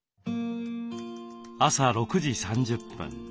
朝６時３０分。